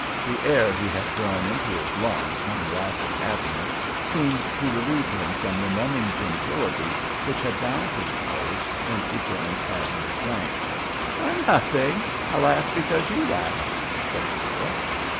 The air he had drawn into his lungs when he laughed at Abner seemed to relieve him from the numbing gentility which had bound his powers since he joined Abner's ranks. "Nothing. I laughed because you laughed," said the girl.